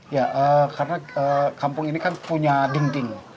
ya karena kampung ini kan punya dinding